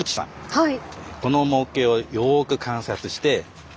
はい。